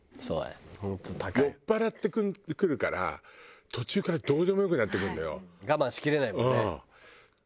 酔っ払ってくるから途中からどうでもよくなってくるのよ。